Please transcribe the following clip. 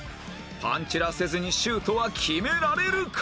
パンチラせずにシュートは決められるか？